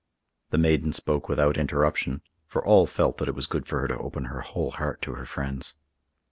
The maiden spoke without interruption, for all felt that it was good for her to open her whole heart to her friends.